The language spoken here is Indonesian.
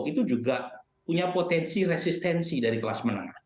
itu juga punya potensi resistensi dari kelas menengah